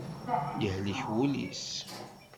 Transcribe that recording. Yehlek wul-is.